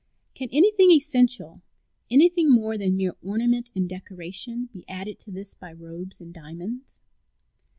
Can anything essential, anything more than mere ornament and decoration, be added to this by robes and diamonds?